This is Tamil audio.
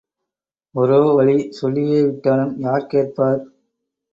ஒரோவழி சொல்லியேவிட்டாலும் யார் கேட்பார்?